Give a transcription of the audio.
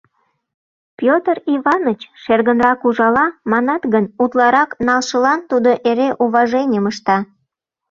Пӧтыр Иваныч шергынрак ужала, манат гын, утларак нал шылан тудо эре уваженьым ышта.